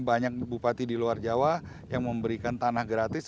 banyak bupati di luar jawa yang memberikan tanah gratis